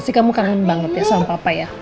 sih kamu kangen banget ya sama papa ya